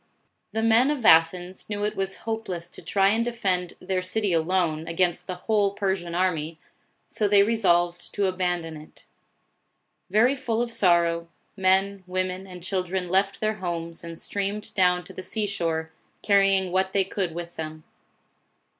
The men of Athens knew it was hopeless to try and defend their city alone, against the whole Per sian army, so they resolved to abandon it. Very full of sorrow, men, women, and children left their homes and streamed down to the sea shore, carry ing what they could with them.